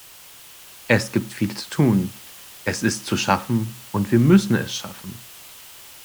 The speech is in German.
Es gibt viel zu tun, es ist zu schaffen, und wir müssen es schaffen.